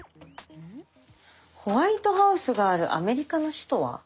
「ホワイトハウスがあるアメリカの首都は？」。